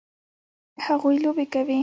هغوی لوبې کوي